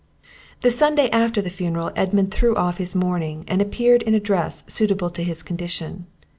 The Sunday after the funeral Edmund threw off his mourning, and appeared in a dress suitable to his condition.